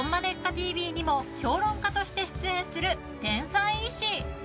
ＴＶ」にも評論家として出演する天才医師。